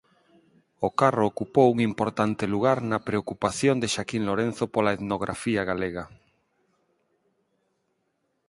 O carro ocupou un importante lugar na preocupación de Xaquín Lorenzo pola etnografía galega.